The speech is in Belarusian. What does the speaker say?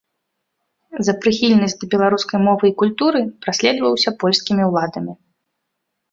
За прыхільнасць да беларускай мовы і культуры праследаваўся польскімі ўладамі.